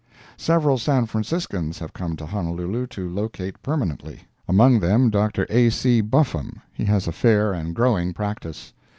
Several San Franciscans have come to Honolulu to locate permanently. Among them Dr. A. C. Buffum; he has a fair and growing practice.